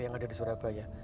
yang ada di surabaya